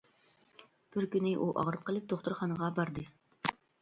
بىر كۈنى ئۇ ئاغرىپ قېلىپ دوختۇرخانىغا باردى.